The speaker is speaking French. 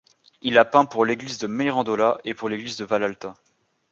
Il a peint pour l'église de Mirandola et pour l'église de Vallalta.